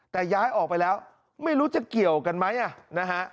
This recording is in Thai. แต่ย้ายออกไปแล้วไม่รู้จะเกี่ยวกันไหมนะฮะ